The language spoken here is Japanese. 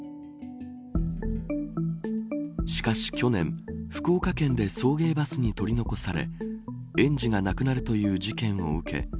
しかし去年、福岡県で送迎バスに取り残され園児が亡くなるという事件を受け